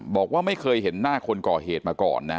บอกว่าไม่เคยเห็นหน้าคนก่อเหตุมาก่อนนะ